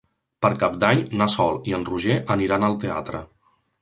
Per Cap d'Any na Sol i en Roger aniran al teatre.